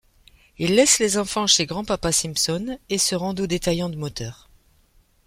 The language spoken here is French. Ils laissent les enfants chez grand-papa Simpson et se rendent au détaillant de moteurs.